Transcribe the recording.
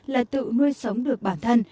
là tự nuôi sống được bản thân